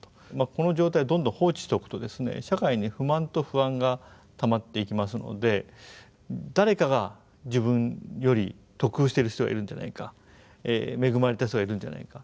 この状態をどんどん放置しておくと社会に不満と不安がたまっていきますので誰かが自分より得をしてる人がいるんじゃないか恵まれた人がいるんじゃないか。